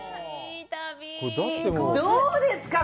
どうですか！？